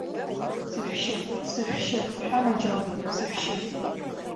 Сышәшьы, сышәшьы, шәанаџьалбеит, сышәшьы.